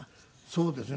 そうですね。